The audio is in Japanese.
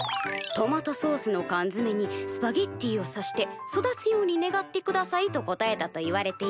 「『トマトソースの缶づめにスパゲッティをさして育つように願ってください』と答えたといわれています」